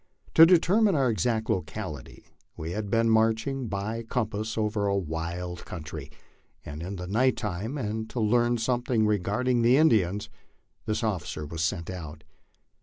To determine our exact locality, as we had been marching by com pass over a wild country and in the night time, and to learn something regarding the Indians, this officer was sent out.